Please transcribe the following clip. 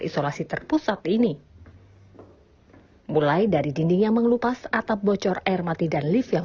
isolasi terpusat ini mulai dari dinding yang mengelupas atap bocor air mati dan lift yang